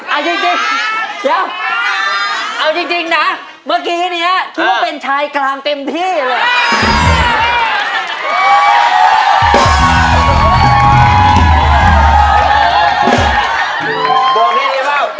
อันน้อยตัวเด็ดเลยเอาจริงนะเมื่อกี้เนี้ยทุกคนเป็นชายกลางเต็มที่เลย